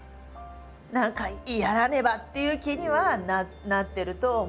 何かやらねばっていう気にはなってるとは思う。